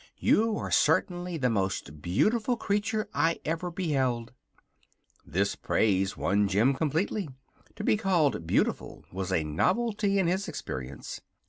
You are certainly the most beautiful creature I ever beheld." This praise won Jim completely. To be called beautiful was a novelty in his experience.